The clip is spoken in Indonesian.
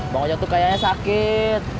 bang ojek tuh kayaknya sakit